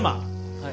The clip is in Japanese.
はい。